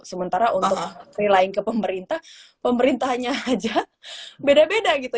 sementara untuk relying ke pemerintah pemerintahnya aja beda beda gitu